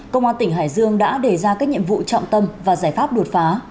công an tỉnh hải dương đã đề ra các nhiệm vụ trọng tâm và giải pháp đột phá